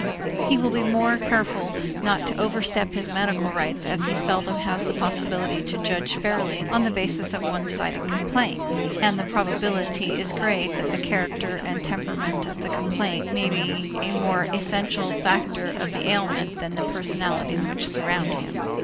He will be the more careful not to overstep his medical rights as he seldom has the possibility to judge fairly on the basis of the one sided complaint, and the probability is great that the character and temperament of the complainant may be a more essential factor of the ailment than the personalities which surround him.